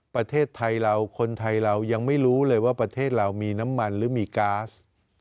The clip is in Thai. ประเทศไทยเราคนไทยเรายังไม่รู้เลยว่าประเทศเรามีน้ำมันหรือมีก๊าซ